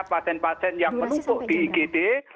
pasien pasien yang menumpuk di igd